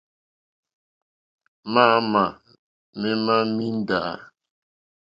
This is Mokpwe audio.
Mǎǃáámà mémá míndǎ.